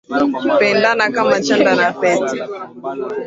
Pendana kama chanda na pete.